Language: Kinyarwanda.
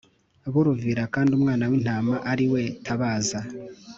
buruvira kandi Umwana w Intama ari we tabaza